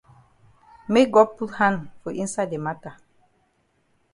Make God put hand for inside the mata.